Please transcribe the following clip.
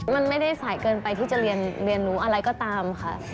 มันไม่ได้สายเกินไปที่จะเรียนรู้อะไรก็ตามค่ะ